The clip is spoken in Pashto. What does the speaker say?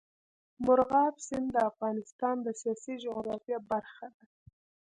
مورغاب سیند د افغانستان د سیاسي جغرافیه برخه ده.